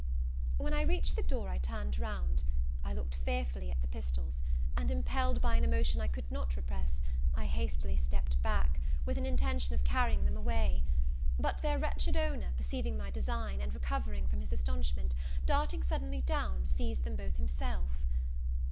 When I reached the door, I turned round; I looked fearfully at the pistols, and, impelled by an emotion I could not repress, I hastily stepped back, with an intention of carrying them away: but their wretched owner, perceiving my design, and recovering from his astonishment, darting suddenly down, seized them both himself.